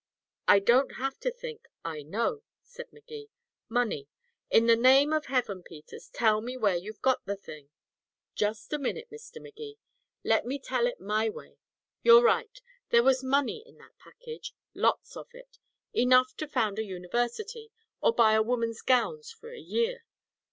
"I don't have to think I know," said Magee. "Money. In the name of heaven, Peters, tell me where you've got the thing." "Just a minute, Mr. Magee. Let me tell it my way. You're right. There was money in that package. Lots of it. Enough to found a university, or buy a woman's gowns for a year.